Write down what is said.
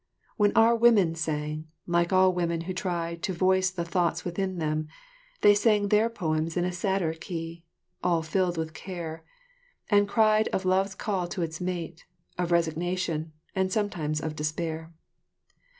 When our women sang, like all women who try to voice the thoughts within them, they sang their poems in a sadder key, all filled with care, and cried of love's call to its mate, of resignation and sometimes of despair.